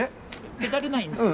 ペダルないんですよ。